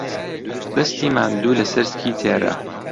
دەستی ماندوو لەسەر سکی تێرە